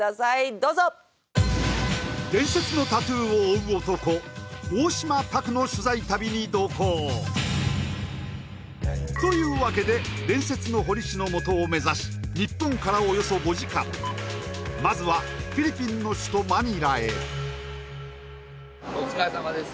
どうぞっ伝説のタトゥーを追う男大島托の取材旅に同行というわけで伝説の彫り師のもとを目指し日本からおよそ５時間まずはフィリピンの首都マニラへお疲れさまです